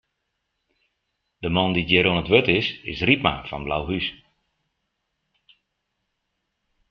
De man dy't hjir oan it wurd is, is Rypma fan Blauhûs.